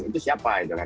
itu siapa itu kan